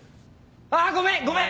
あごめんごめん！